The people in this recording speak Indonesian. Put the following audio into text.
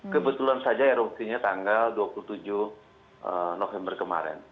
kebetulan saja erupsinya tanggal dua puluh tujuh november kemarin